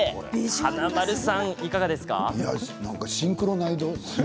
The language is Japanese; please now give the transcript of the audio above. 華丸さん、いかがですか？